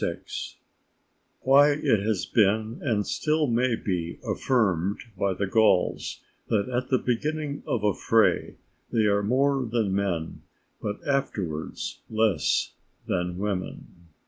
—_Why it has been and still may be affirmed of the Gauls, that at the beginning of a fray they are more than Men, but afterwards less than Women_.